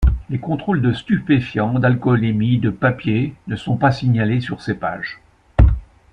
Les contrôles de stupéfiants, d’alcoolémie, de papiers… ne sont pas signalés sur ces pages.